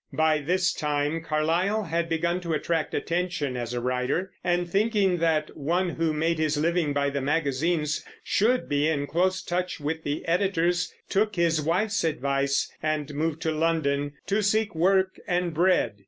By this time Carlyle had begun to attract attention as a writer, and, thinking that one who made his living by the magazines should be in close touch with the editors, took his wife's advice and moved to London "to seek work and bread."